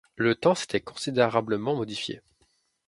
Le temps s’était considérablement modifié.